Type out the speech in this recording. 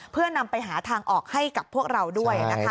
เพื่อนำไปหาทางออกให้กับพวกเราด้วยนะคะ